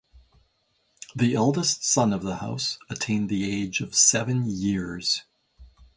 The eldest son of the house attained the age of seven years.